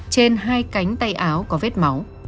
trên hai cánh tay áo có vết máu